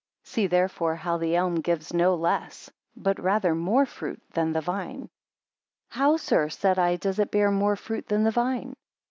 5 See, therefore, how the elm gives no less, but rather more fruit, than the vine. How, Sir, said I, does it bear more fruit than the vine?